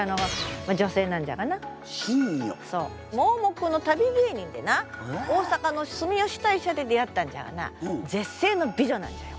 盲目の旅芸人でな大阪の住吉大社で出会ったんじゃがな絶世の美女なんじゃよ